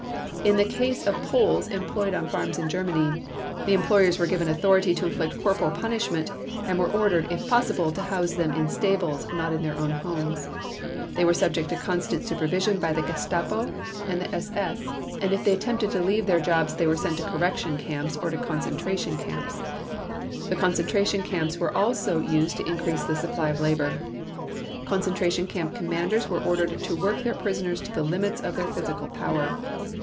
In the case of Poles employed on farms in Germany, the employers were given authority to inflict corporal punishment and were ordered, if possible, to house them in stables, not in their own homes. They were subject to constant supervision by the Gestapo and the SS, and if they attempted to leave their jobs they were sent to correction camps or concentration camps. The concentration camps were also used to increase the supply of labor. Concentration camp commanders were ordered to work their prisoners to the limits of their physical power.